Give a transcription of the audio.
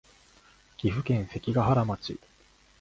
岐阜県関ケ原町